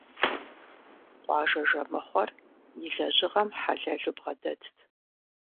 Къуажэ жэмыхъуэр и лэжьыгъэм хьэлэлу бгъэдэтт.